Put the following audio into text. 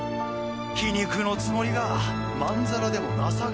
皮肉のつもりがまんざらでもなさげ。